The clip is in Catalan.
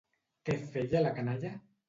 Què feia la canalla?